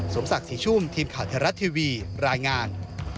สมศักดิ์ศรีชุ่มทีมข่าวไทยรัฐทีวีรายงาน